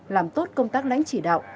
làm tốt công tác lãnh chỉ đạo